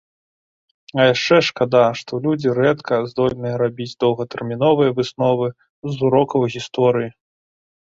А яшчэ шкада, што людзі рэдка здольныя рабіць доўгатэрміновыя высновы з урокаў гісторыі.